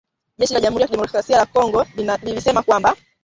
jeshi la jamhuri ya kidemokrasia ya Kongo lilisema kwamba